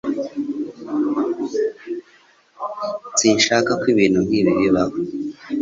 Sinshaka ko ibintu nkibi bibaho.